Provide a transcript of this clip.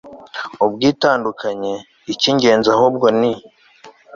ubwitandukanye, icy'ingenzi ahubwo ni